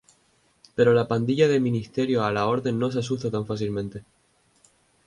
Pero la pandilla de Misterio a La Orden no se asusta tan fácilmente.